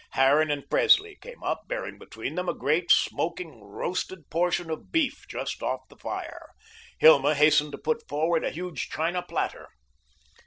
Harran and Presley came up, bearing between them a great smoking, roasted portion of beef just off the fire. Hilma hastened to put forward a huge china platter.